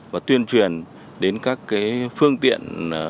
và tuyên truyền đến các phương tiện